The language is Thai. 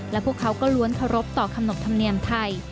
และพวกเขาก็ล้วนเคารพต่อขนบธรรมเนียมไทย